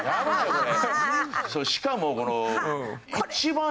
これ。